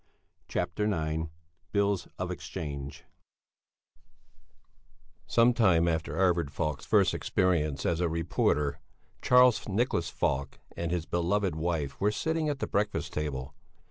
CHAPTER IX BILLS OF EXCHANGE Some time after Arvid Falk's first experience as a reporter Charles Nicholas Falk and his beloved wife were sitting at the breakfast table.